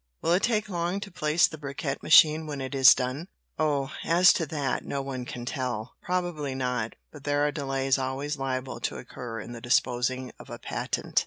"Will it take long to place the bricquette machine when it is done?" "Oh, as to that, no one can tell probably not, but there are delays always liable to occur in the disposing of a patent.